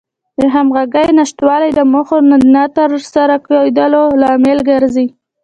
د همغږۍ نشتوالی د موخو نه تر سره کېدلو لامل ګرځي.